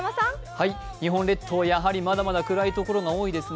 日本列島、やはりまだまだ暗いところが多いですね。